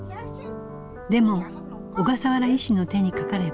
でも小笠原医師の手にかかれば。